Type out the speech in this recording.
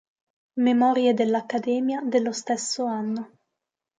Memorie dell'Accademia dello stesso anno.